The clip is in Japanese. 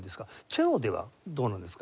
チェロではどうなんですか？